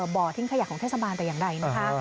บ่อทิ้งขยากของเทสมามแต่ยังใดนะคะ